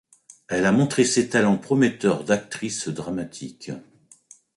Elle a montré ses talents prometteurs d’actrice dramatique.